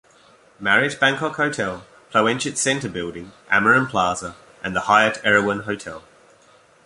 Marriott Bangkok Hotel, Ploenchit Center building, Amarin Plaza, and the Hyatt Erawan Hotel.